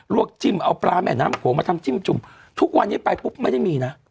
วกจิ้มเอาปลาแม่น้ำโขงมาทำจิ้มจุ่มทุกวันนี้ไปปุ๊บไม่ได้มีนะ